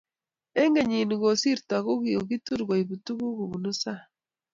eng' kenyit ne kosirto ko kokitur koibu tuguk kobunu sang'